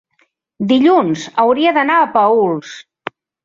dilluns hauria d'anar a Paüls.